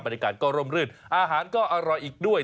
บรรยากาศก็ร่มรื่นอาหารก็อร่อยอีกด้วย